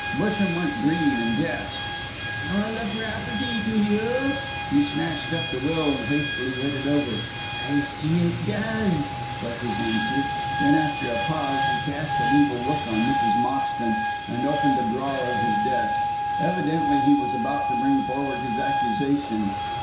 Busham went green and gasped, "All the property to you!" He snatched up the will and hastily read it over. "I see it does," was his answer; then after a pause he cast an evil look on Mrs. Moxton, and opened a drawer of his desk. Evidently he was about to bring forward his accusation.